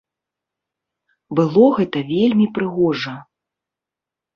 Было гэта вельмі прыгожа.